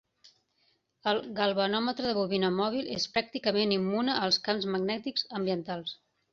El galvanòmetre de bobina mòbil és pràcticament immune als camps magnètics ambientals.